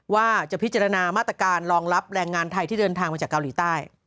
ว่าจะพิจารณามาตรการรองรับแรงงานไทยที่เดินทางมาจากเกาหลีใต้